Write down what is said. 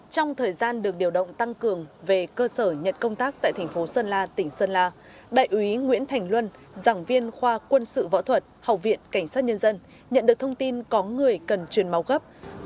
trong thời gian được điều động tăng cường về cơ sở nhận công tác tại thành phố sơn la tỉnh sơn la đại úy nguyễn thành luân giảng viên khoa quân sự võ thuật học viện cảnh sát nhân dân nhận được thông tin có người cần truyền máu gấp